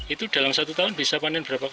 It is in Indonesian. itu dalam satu tahun bisa panen berapa kali